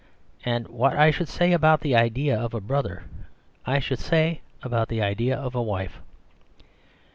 And what I should say about the idea of a brother, I should say about the idea of a wife.